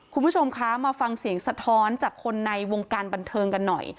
คุณผู้ชมคะมาฟังเสียงสะท้อนจากคนในวงการบันเทิงกันหน่อย